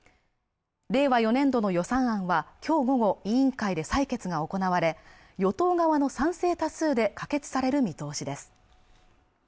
令和４年度の予算案はきょう午後委員会で採決が行われ与党側の賛成多数で可決される見通しです